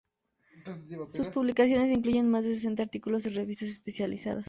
Sus publicaciones incluyen más de sesenta artículos en revistas especializadas.